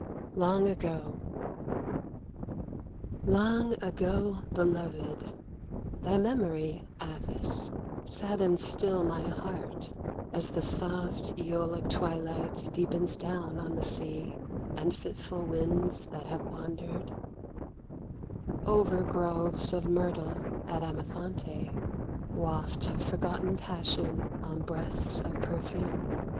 LONG AGO Long ago beloved, thy memory, Atthis, Saddens still my heart as the soft Æolic Twilight deepens down on the sea, and fitful Winds that have wandered Over groves of myrtle at Amathonte Waft forgotten passion on breaths of perfume.